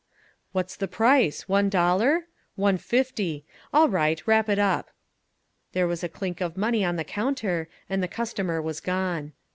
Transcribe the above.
"What's the price, one dollar? One fifty. All right, wrap it up." There was a clink of money on the counter, and the customer was gone.